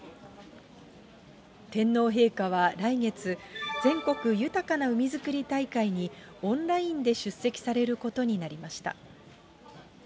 天皇陛下は来月、全国豊かな海づくり大会にオンラインで出席されることになりました。